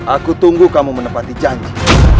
aku tunggu kamu menepati janji